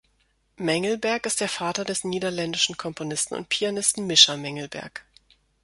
Mengelberg ist der Vater des niederländischen Komponisten und Pianisten Misha Mengelberg.